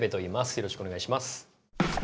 よろしくお願いします。